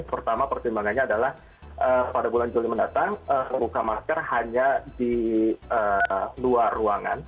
pertama pertimbangannya adalah pada bulan juli mendatang buka masker hanya di luar ruangan